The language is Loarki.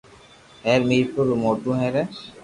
ھير مير پور خاص رو موٽو ھي